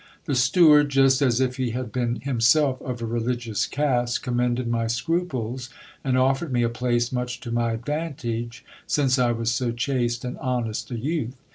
The steward, just as if he had been himself of a religious cast, commended my scruples, and offered me a place much to my advantage, since I was so chaste and honest a youth.